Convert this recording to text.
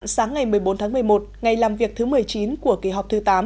sáng ngày một mươi bốn tháng một mươi một ngày làm việc thứ một mươi chín của kỳ họp thứ tám